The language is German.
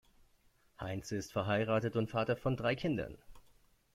Heinze ist verheiratet und Vater von drei Kindern.